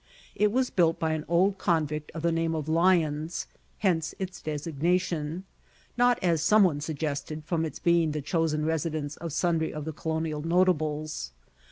It was built by an old convict of the name of Lyons hence its designation; not, as some one suggested, from its being the chosen residence of sundry of the colonial notables.